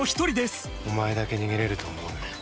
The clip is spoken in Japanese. お前だけ逃げれると思うなよ。